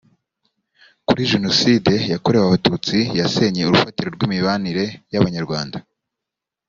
kuri jenoside yakorewe abatutsi yasenye urufatiro rw imibanire y abanyarwanda